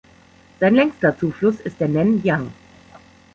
Sein längster Zufluss ist der Nen Jiang.